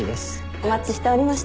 お待ちしておりました。